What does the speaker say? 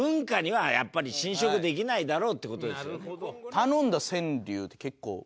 「頼んだ川柳」って結構。